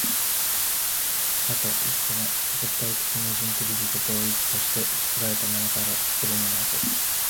多と一との絶対矛盾的自己同一として、作られたものから作るものへと、